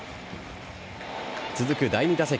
続く第２打席。